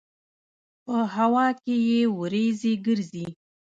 په هوا کې یې وريځې ګرځي.